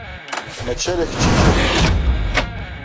Mačči ala kečč i ijerḥen.